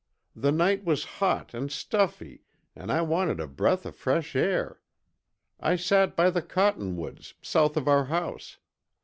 The night was hot an' stuffy an' I wanted a breath o' fresh air. I sat by the cottonwoods, south of our house.